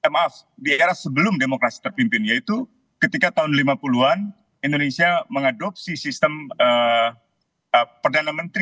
maaf di era sebelum demokrasi terpimpin yaitu ketika tahun lima puluh an indonesia mengadopsi sistem perdana menteri